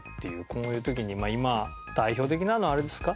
こういう時に今代表的なのはあれですか？